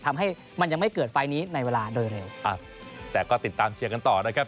ทำให้มันยังไม่เกิดไฟล์นี้ในเวลาโดยเร็วอ่าแต่ก็ติดตามเชียร์กันต่อนะครับ